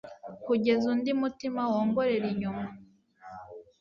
kugeza undi mutima wongorera inyuma.